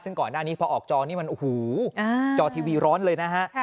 ซึ่งก่อนหน้านี้พอออกจอนี่มันโอ้โหจอทีวีร้อนเลยนะฮะ